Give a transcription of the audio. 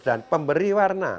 dan pemberi warna